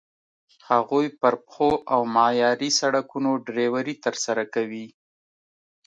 هغوی پر پخو او معیاري سړکونو ډریوري ترسره کوي.